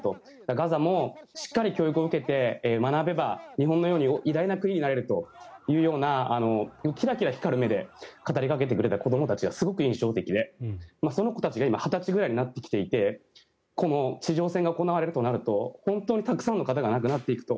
ガザもしっかり教育を受けて学べば日本のように偉大な国になれるというようなキラキラ光る目で語りかけてくれた子どもたちがすごく印象的でその子たちが今２０歳ぐらいになってきていてこの地上戦が行われるとなると本当にたくさんの方が亡くなっていくと。